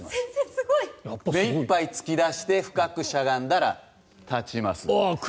目いっぱい突き出して深くしゃがんだら立ちます。